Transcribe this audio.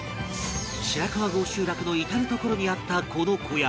白川郷集落の至る所にあったこの小屋